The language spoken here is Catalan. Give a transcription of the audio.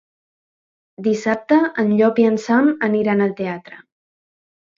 Dissabte en Llop i en Sam aniran al teatre.